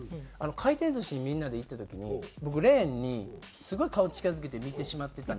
回転寿司にみんなで行った時に僕レーンにすごい顔近付けて見てしまってたんです。